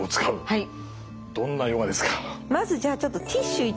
はい。